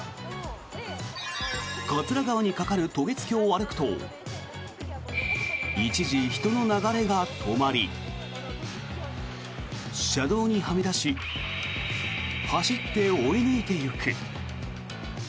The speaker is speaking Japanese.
桂川に架かる渡月橋を歩くと一時、人の流れが止まり車道にはみ出し走って追い抜いていく。